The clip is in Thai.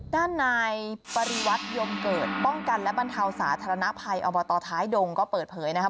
ด้านนายปริวัติยมเกิดป้องกันและบรรเทาสาธารณภัยอบตท้ายดงก็เปิดเผยนะครับ